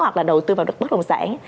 hoặc là đầu tư vào đất bất động sản